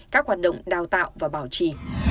các hoạt động đào tạo và bảo trì